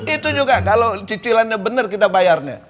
itu juga kalau cicilannya benar kita bayarnya